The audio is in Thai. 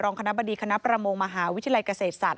คณะบดีคณะประมงมหาวิทยาลัยเกษตรศาสต